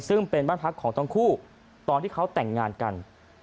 ซึ่งเป็นบ้านพักของทั้งคู่ตอนที่เขาแต่งงานกัน